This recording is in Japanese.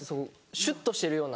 シュっとしてるような。